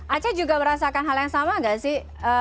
aceh juga merasakan hal yang sama gak sih